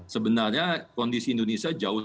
sebenarnya kondisi indonesia jauh